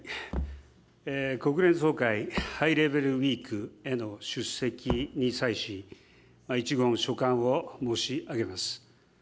国連総会ハイレベル・ウィークへの出席に際し、一言所感を申し上げます。